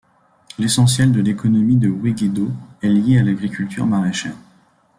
L'essentiel de l'économie de Ouéguédo est liée à l'agriculture maraîchère.